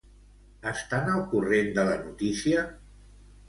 Estan al corrent de la notícia?